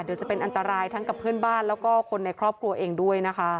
เดี๋ยวจะเป็นอันตรายทั้งกับเพื่อนบ้านแล้วก็คนในครอบครัวเองด้วยนะคะ